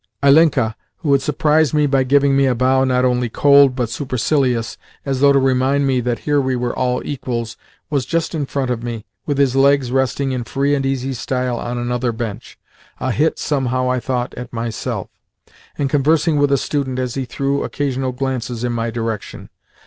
Ilinka who had surprised me by giving me a bow not only cold, but supercilious, as though to remind me that here we were all equals was just in front of me, with his legs resting in free and easy style on another bench (a hit, somehow I thought, at myself), and conversing with a student as he threw occasional glances in my direction.